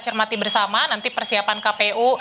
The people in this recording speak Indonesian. cermati bersama nanti persiapan kpu